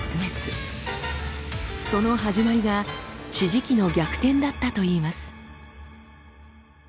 しかしその始まりが地磁気の逆転だったといいます。